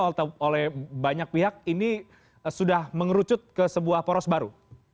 atau oleh banyak pihak ini sudah mengerucut ke sebuah poros baru